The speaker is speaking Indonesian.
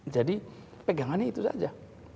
jadi pegangannya itu saja